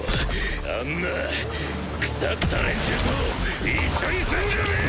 あんな腐った連中と一緒にすんじゃねぇ！